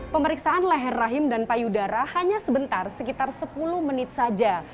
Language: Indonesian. pemeriksaan leher rahim dan payudara hanya sebentar sekitar sepuluh menit saja